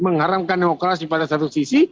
mengharamkan demokrasi pada satu sisi